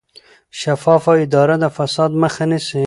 شفافه اداره د فساد مخه نیسي